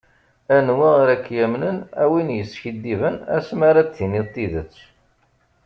Anwa ara ak-yamnen, a win yeskiddiben, asmi ara d-tiniḍ tidet.